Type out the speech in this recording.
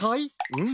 うん！